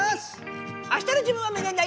あしたの自分は無限大。